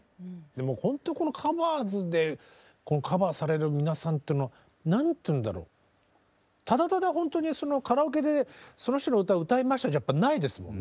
でもほんとこの「ＴｈｅＣｏｖｅｒｓ」でこうカバーされる皆さんってのは何て言うんだろうただただほんとにそのカラオケでその人の歌歌いましたじゃやっぱないですもんね。